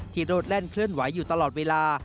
โรดแล่นเคลื่อนไหวอยู่ตลอดเวลา